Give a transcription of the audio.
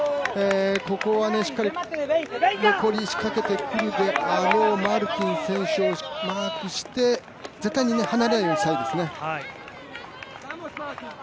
ここはしっかり残り仕掛けてくるであろうマルティン選手をマークして絶対に離れないようにしたいですね。